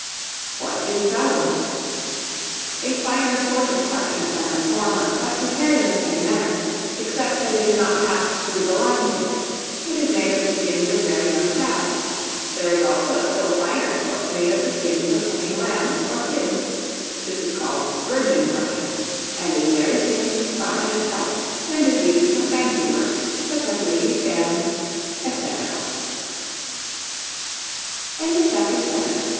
What is Vellum? A finer sort of parchment than the former, but prepared in the same manner, except that it is not passed through the lime pit. It is made of the skins of very young calves: there is also a still finer sort made of the skins of sucking lambs, or kids; this is called virgin parchment, and is very thin, fine, and white, and is used for fancy work, such as ladies' fans, &c. CHAPTER VIII.